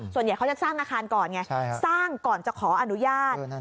ส่วนใหญ่เขาจะสร้างอาคารก่อนไงสร้างก่อนจะขออนุญาต